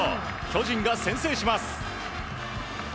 巨人が先制します。